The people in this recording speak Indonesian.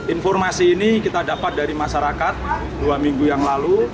informasi ini kita dapat dari masyarakat dua minggu yang lalu